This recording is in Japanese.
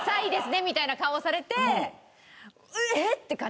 みたいな顔をされて「えっ！？」って感じ。